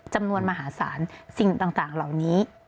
จำนวนมหาศาลสิ่งต่างเหล่านี้